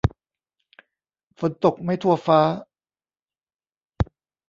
ฝนตกไม่ทั่วฟ้า